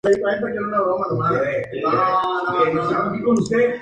Muchos búlgaros huyeron a la ciudad y se escondieron detrás de las paredes.